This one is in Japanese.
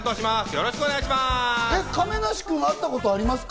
よろしくお願いします。